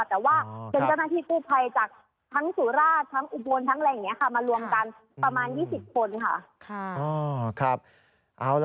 แต่ว่าเป็นเจ้าหน้าที่ตู้ภัยจากทั้งสุราชทั้งอุบวนทั้งอะไรอย่างนี้